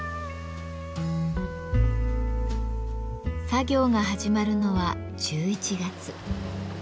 作業が始まるのは１１月。